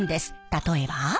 例えば。